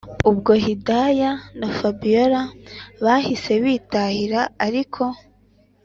ubwo hidaya na fabiora bahise bitahira ariko